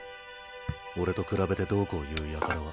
俺と比べてどうこう言う輩は。